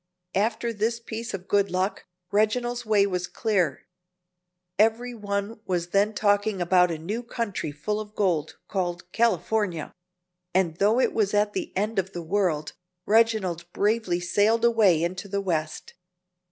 After this piece of good luck, Reginald's way was clear. Every one was then talking about a new country full of gold, called California; and though it was at the other end of the world, Reginald bravely sailed away into the West.